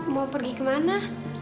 mau pergi kemana